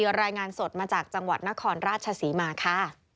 รายงานสดมาจากจังหวัดนครราชศรีมาค่ะ